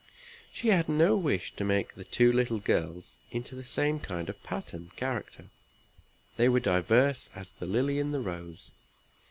She had no wish to make the two little girls into the same kind of pattern character. They were diverse as the lily and the rose.